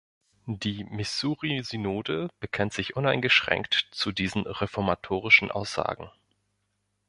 Die Missouri-Synode bekennt sich uneingeschränkt zu diesen reformatorischen Aussagen.